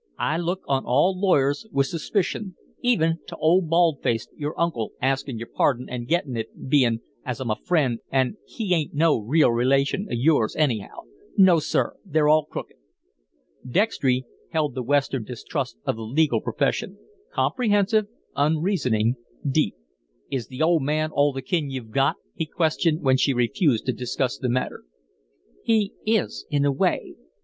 "I look on all lawyers with suspicion, even to old bald face your uncle, askin' your pardon an' gettin' it, bein' as I'm a friend an' he ain't no real relation of yours, anyhow. No, sir; they're all crooked." Dextry held the Western distrust of the legal profession comprehensive, unreasoning, deep. "Is the old man all the kin you've got?" he questioned, when she refused to discuss the matter. "He is in a way.